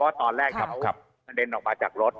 เพราะว่าตอนแรกเขาก็กระเด็นออกมาจากรถ